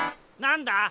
何だ？